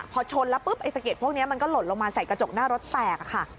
พอชนแล้วปุ๊บไอสะเก็ดพวกนี้มันก็หล่นลงมาใส่กระจกหน้ารถแตกค่ะ